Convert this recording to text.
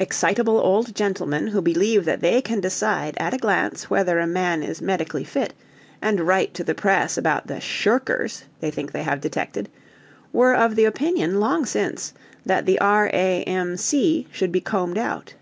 Excitable old gentlemen who believe that they can decide at a glance whether a man is medically fit, and write to the Press about the "shirkers" they think they have detected, were of the opinion, long since, that the R.A.M.C. should be combed out.